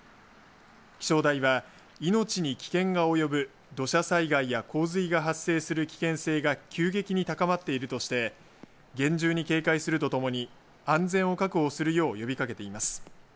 気象台は、命に危険が及ぶ土砂災害や洪水が発生する危険性が急激に高まっているとして厳重に警戒するとともに安全を確保するよう呼びかけています。